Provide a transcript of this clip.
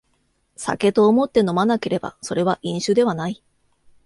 酒と思って飲まなければそれは飲酒ではない